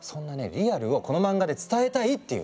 リアルをこの漫画で伝えたいっていう。